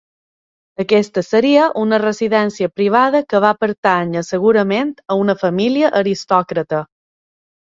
Aquesta seria una residència privada que va pertànyer segurament a una família aristòcrata.